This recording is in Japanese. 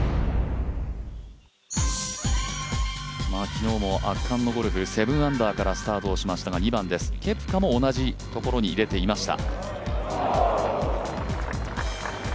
昨日も圧巻のゴルフ、７アンダーからスタートしましたが２番です、ケプカも同じところに入れていました。